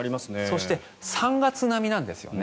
３月並みなんですよね。